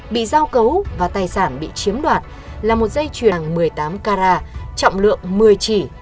bị giao cấu và tài sản bị chiếm đoạt là một dây chuyền một mươi tám carat trọng lượng một mươi chỉ